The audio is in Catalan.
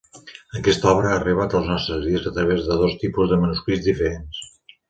Aquesta obra ha arribat als nostres dies a través de dos tipus de manuscrits diferents.